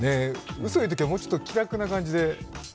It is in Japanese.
うそ言うときはもうちょっと気楽な感じで。